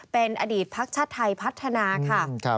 เป็นอดีตพักชัดไทยพัฒนาค่ะ